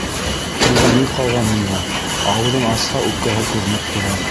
Уға ни ҡалған унда, ауыҙын асһа, үпкәһе күренеп тора?